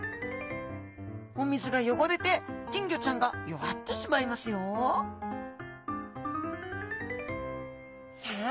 お水が汚れて金魚ちゃんが弱ってしまいますよさあ